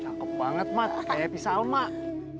cakep banget mat kaya pisau emak